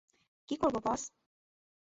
কী করব, বস?